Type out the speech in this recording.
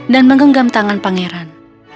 dan menggenggam tangan pangeran